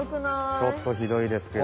ちょっとひどいですけど。